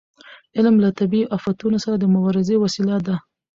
علم له طبیعي افتونو سره د مبارزې وسیله ده.